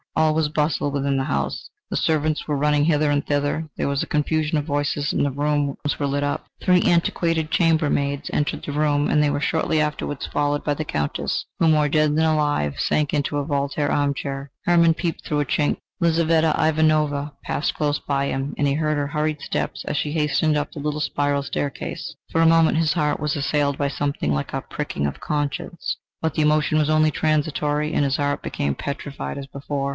All was bustle within the house. The servants were running hither and thither, there was a confusion of voices, and the rooms were lit up. Three antiquated chamber maids entered the bedroom, and they were shortly afterwards followed by the Countess who, more dead than alive, sank into a Voltaire armchair. Hermann peeped through a chink. Lizaveta Ivanovna passed close by him, and he heard her hurried steps as she hastened up the little spiral staircase. For a moment his heart was assailed by something like a pricking of conscience, but the emotion was only transitory, and his heart became petrified as before.